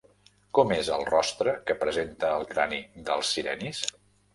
Com és el rostre que presenta el crani dels sirenis?